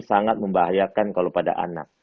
sangat membahayakan kalau pada anak